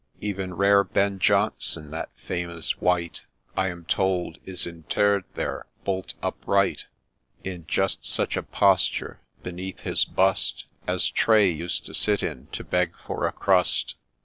Even ' Bare Ben Jonson,' that famous wight, I am told, is interr'd there bolt upright, In just such a posture, beneath his bust, As Tray used to sit in to beg for a crust.